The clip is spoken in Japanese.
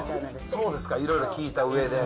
そうですか、いろいろ聞いたうえで。